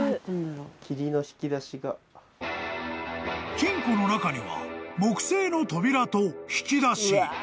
［金庫の中には木製の扉と引き出し］